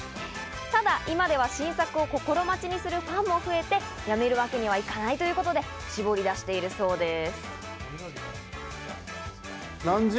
ただ、今では新作を心待ちにするファンも増えて、やめるわけにはいかないということで、絞り出しているそうです。